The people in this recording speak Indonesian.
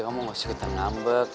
kamu gak usah kita ngambek